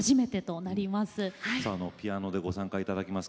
さあピアノでご参加いただきます